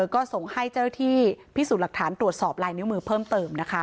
ก็ส่งให้เจ้าหน้าที่พิสูจน์หลักฐานตรวจสอบลายนิ้วมือเพิ่มเติมนะคะ